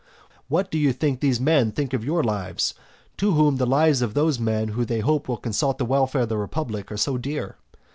What do you think that those men think of your lives, to whom the lives of those men who they hope will consult the welfare of the republic are so dear?